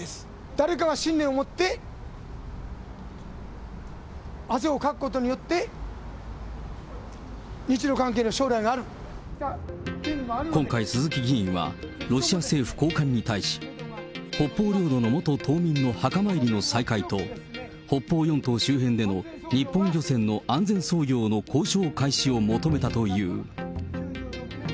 誰かが信念を持って汗をかくことによって、今回、鈴木議員は、ロシア政府高官に対し、北方領土の元島民の墓参りの再開と、北方四島周辺での日本漁船の安全操業の交渉開始を求めたという。